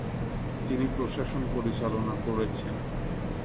তিনি প্রশাসন পরিচালনা করেছেন।